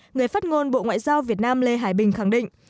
người phát ngôn bộ ngoại giao việt nam lê hải bình khẳng định